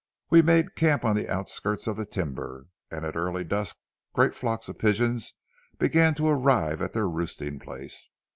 We made camp on the outskirts of the timber, and at early dusk great flocks of pigeons began to arrive at their roosting place.